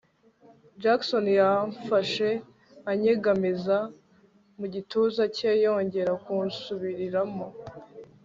Jackson yaramfashe anyegamiza mu gituza cye yongera kunsubiriramo